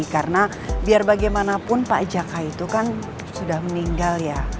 karena biar bagaimanapun pak jaka itu kan sudah meninggal ya